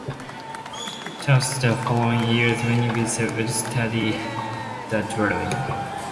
Throughout the following years, many visitors would study the dwellings.